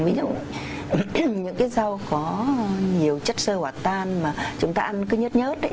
ví dụ như những rau có nhiều chất sơ hỏa tan mà chúng ta ăn cứ nhớt nhớt